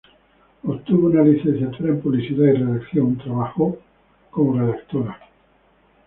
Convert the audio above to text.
Obtuvo una licenciatura en Publicidad y Redacción trabajó como redactora.